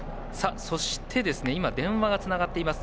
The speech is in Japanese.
そして電話がつながっています。